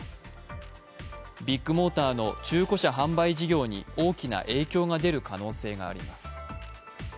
ビッグモーターの中古車販売事業に大きな影響が出る可能性があります。